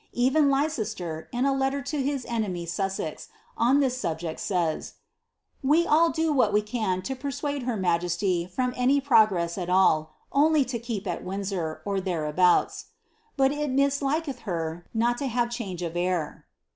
Even Leicester, in a letter to his enemy Sussex, on this subject, says, "We all do what we can to persuade her majesty from any progress at all, only lo keep at Windsor, or thereabouts ; but it mis liketh lier not to have change of air."